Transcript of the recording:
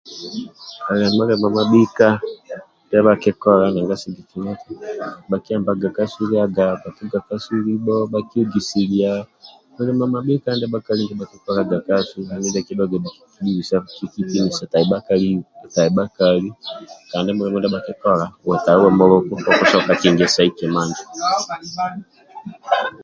ali mulimo babika nbikakikola nanga sigikilya bakihambaga kasu lyaga batuga kasu libo bakihogisilya mulimo amabika ndibakikolaga kasu andulu ndia akiduwaga kibubisaku kitinisa tai bakali kandi mulimo ndia bakikola uwe tabi uwe muluku kokusobola kingesiyai kima njo